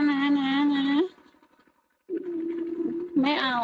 ขอบคุณครับ